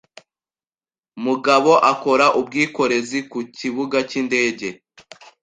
Mugabo akora ubwikorezi ku cyibugacyindege.